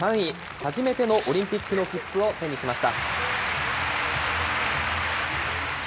初めてのオリンピックの切符を手にしました。